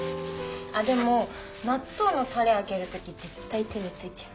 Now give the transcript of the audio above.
あっでも納豆のタレ開ける時絶対手に付いちゃう。